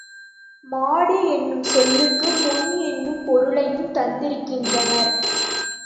மாடு என்னும் சொல்லுக்குப் பொன் என்னும் பொருளையும் தந்திருக்கின்றனர்.